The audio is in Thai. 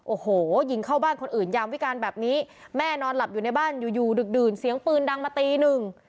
โอ้โหยิงเข้าบ้านคนอื่นยามวิการแบบนี้แม่นอนหลับอยู่ในบ้านอยู่อยู่ดึกดื่นเสียงปืนดังมาตีหนึ่ง